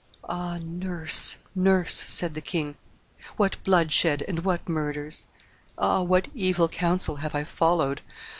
'Ah, nurse, nurse,' said the king, 'what bloodshed and what murders! Ah! what evil counsel have I followed!